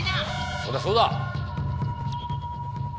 そうだそうだ。